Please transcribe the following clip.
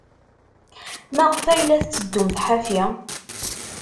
Maɣef ay la tetteddumt ḥafi?